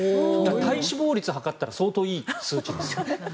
体脂肪率を測ったら相当いい数値ですよ。